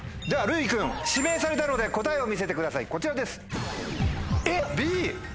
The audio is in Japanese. うい君指名されたので答えを見せてくださいこちらです。